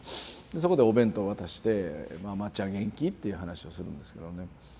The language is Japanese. そこでお弁当を渡して「まっちゃん元気？」っていう話をするんですけどね。